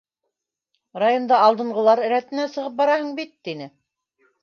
Районда алдынғылар рәтенә сығып бараһың бит, - тине.